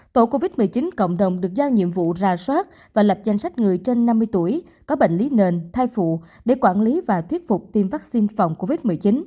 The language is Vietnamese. tổ covid một mươi chín cộng đồng được giao nhiệm vụ ra soát và lập danh sách người trên năm mươi tuổi có bệnh lý nền thai phụ để quản lý và thuyết phục tiêm vaccine phòng covid một mươi chín